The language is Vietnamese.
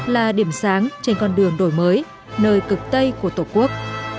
là điểm sáng trên con đường đổi mới nơi cực tây của tổ quốc